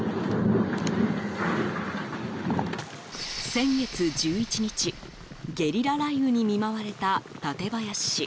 先月１１日、ゲリラ雷雨に見舞われた館林市。